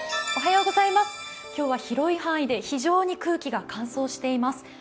今日は、広い範囲で非常に空気が乾燥しています。